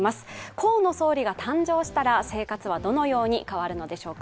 河野総理が誕生したら生活はどのように変わるのでしょうか。